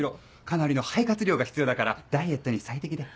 かなりの肺活量が必要だからダイエットに最適で。